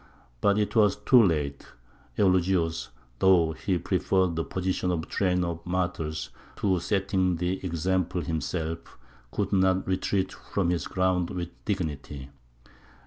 But it was too late. Eulogius, though he preferred the position of trainer of martyrs to setting the example himself, could not retreat from his ground with dignity.